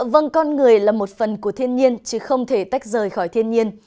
vâng con người là một phần của thiên nhiên chứ không thể tách rời khỏi thiên nhiên